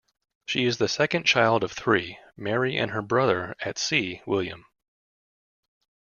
She is the second child of three, Mary and her brother at sea, William.